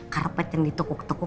karpet yang ditukuk tukuk